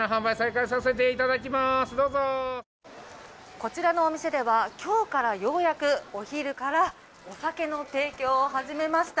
こちらのお店では今日からようやくお昼からお酒の提供を始めました。